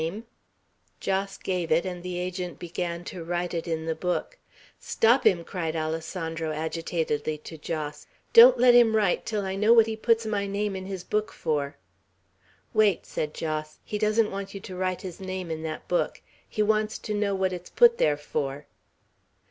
"What is his name?" Jos gave it, and the Agent began to write it in the book. "Stop him." cried Alessandro, agitatedly to Jos. "Don't let him write, till I know what he puts my name in his book for!" "Wait," said Jos. "He doesn't want you to write his name in that book. He wants to know what it's put there for."